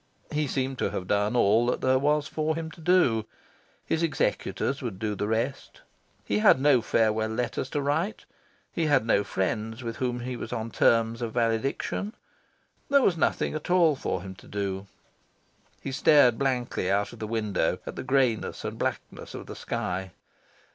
He seemed to have done all that there was for him to do. His executors would do the rest. He had no farewell letters to write. He had no friends with whom he was on terms of valediction. There was nothing at all for him to do. He stared blankly out of the window, at the greyness and blackness of the sky.